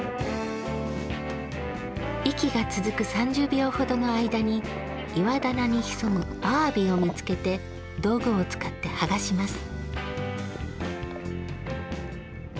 息が続く３０秒ほどの間に岩棚に潜むあわびを見つけて道具を使って剥がします。